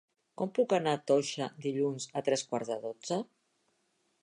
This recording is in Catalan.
Com puc anar a Toixa dilluns a tres quarts de dotze?